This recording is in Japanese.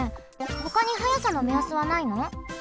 ほかに速さのめやすはないの？